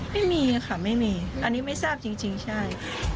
ไม่มีค่ะไม่มีอันนี้ไม่ทราบจริงใช่